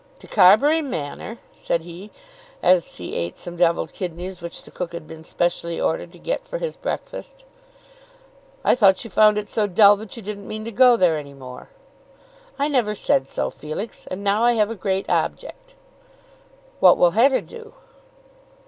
"To Carbury Manor!" said he, as he eat some devilled kidneys which the cook had been specially ordered to get for his breakfast. "I thought you found it so dull that you didn't mean to go there any more." "I never said so, Felix. And now I have a great object." "What will Hetta do?"